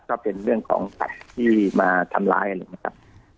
ก็เป็นเรื่องของกัดที่มาทำร้ายอะไรนะครับ